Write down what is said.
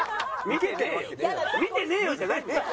「見てねえよ」じゃないんだよ。